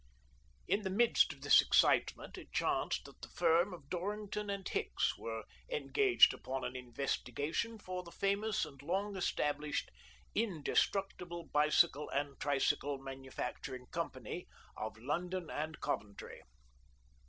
In the midst of this excitement it chanced that the firm of Dorrington & Hicks were engaged upon an investigation for the famous and long established " Indestructible Bicycle and Tricycle Manufacturing Company," of London and Coventry.